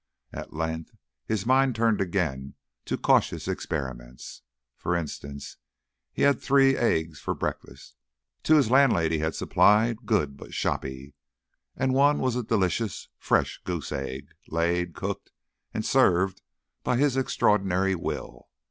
At length his mind turned again to cautious experiments. For instance, he had three eggs for breakfast; two his landlady had supplied, good, but shoppy, and one was a delicious fresh goose egg, laid, cooked, and served by his extraordinary will.